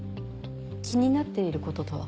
気になっていることとは？